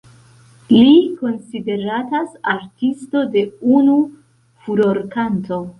Li konsideratas Artisto de unu furorkanto.